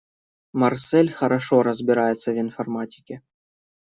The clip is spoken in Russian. Марсель хорошо разбирается в информатике.